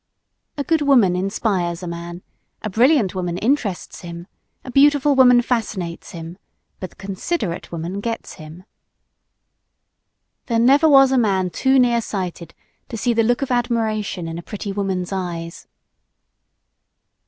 A good woman inspires a man, a brilliant woman interests him, a beautiful woman fascinates him but the considerate woman gets him. There never was a man too nearsighted to see the look of admiration in a pretty woman's eyes.